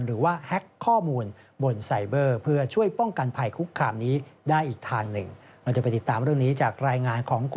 หรือว่าแฮ็กข้อมูลบนไซเบอร์เพื่อช่วยป้องกันภัยคุกคามนี้ได้อีกทางหนึ่ง